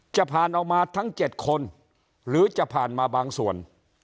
จะผ่านออกมาทั้ง๗คนหรือจะผ่านมาบางส่วน